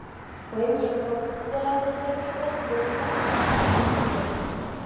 Fue miembro de la fraternidad Delta Kappa Epsilon.